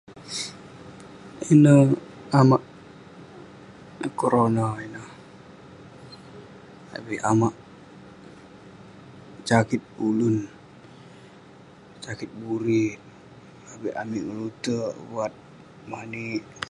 Ineh amak kerona ineh, avik amak sakit ulun, sakit buri. Avik amik melutek, vat, manik.